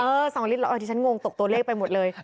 เออ๒ลิตรร้อยที่ฉันงงตกตัวเลขไปหมดเลย